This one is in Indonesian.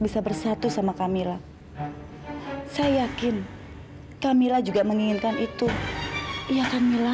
bisa bersatu sama camilla saya yakin camilla juga menginginkan itu iya camilla